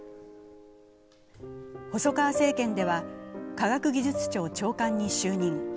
細川政権では科学技術庁長官に就任。